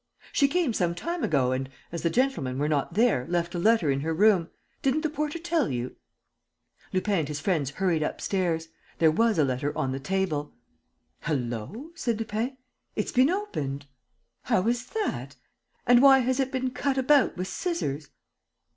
"She came some time ago and, as the gentlemen were not there, left a letter in her room. Didn't the porter tell you?" Lupin and his friends hurried upstairs. There was a letter on the table. "Hullo!" said Lupin. "It's been opened! How is that? And why has it been cut about with scissors?"